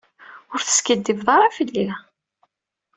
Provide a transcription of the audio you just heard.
Ur teskiddib ara fell-i.